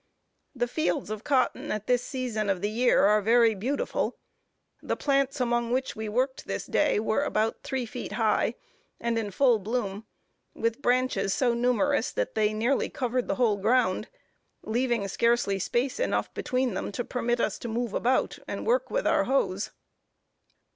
The fields of cotton at this season of the year are very beautiful. The plants, among which we worked this day, were about three feet high, and in full bloom, with branches so numerous that they nearly covered the whole ground leaving scarcely space enough between them to permit us to move about, and work with our hoes.